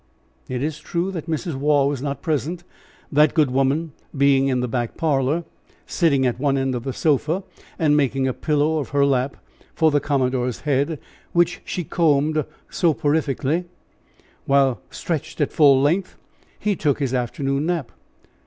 It is true that Mrs. Waugh was not present, that good woman being in the back parlor, sitting at one end of the sofa and making a pillow of her lap for the commodore's head, which she combed soporifically, while, stretched at full length, he took his afternoon nap.